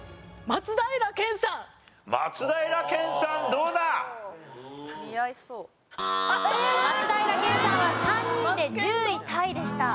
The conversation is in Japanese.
松平健さんは３人で１０位タイでした。